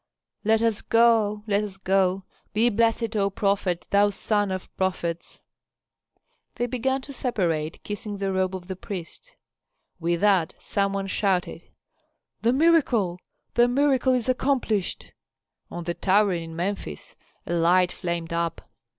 "Let us go! Let us go! Be blessed, O prophet, thou son of prophets!" They began to separate, kissing the robe of the priest. With that some one shouted, "The miracle, the miracle is accomplished." On the tower in Memphis a light flamed up.